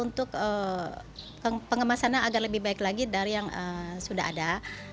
untuk pengemasannya agar lebih baik lagi dari yang sudah ada